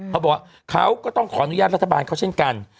เขาบอกว่าเขาก็ต้องขออนุญาตรัฐบาลเขาเช่นกัน